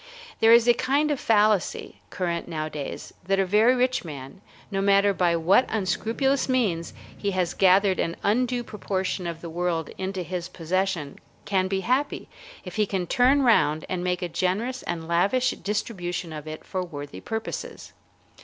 There is a kind of fallacy current nowadays that a very rich man, no matter by what unscrupulous means he has gathered an undue proportion of the world into his possession, can be happy if he can turn round and make a generous and lavish distribution of it for worthy purposes.